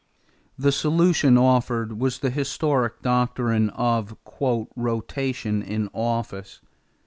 The solution offered was the historic doctrine of "rotation in office."